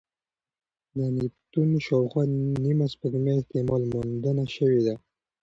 د نیپتون شاوخوا نیمه سپوږمۍ احتمالي موندنه شوې ده.